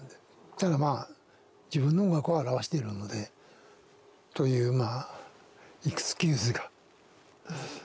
ただまあ自分の音楽を表しているのでというまあエクスキューズがあるかな。